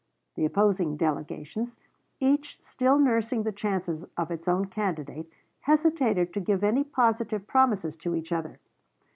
The opposing delegations, each still nursing the chances of its own candidate, hesitated to give any positive promises to each other.